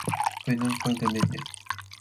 Bundoquiobi que penu